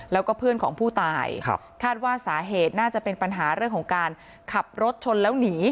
แล้วก็เพื่อนของผู้ตายคาดว่าสาเหตุน่าจะเป็นปัญหาเรื่องของการขับรถชนแล้วหนี